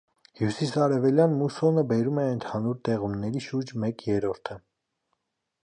Հյուսիսարևելյան մուսոնը բերում է ընդհանուր տեղումների շուրջ մեկ երրորդը։